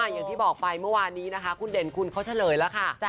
อย่างที่บอกไปเมื่อวานนี้นะคะคุณเด่นคุณเขาเฉลยแล้วค่ะ